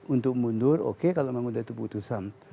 untuk mundur oke kalau memang sudah itu putusan